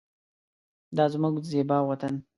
دا زمونږ زیبا وطن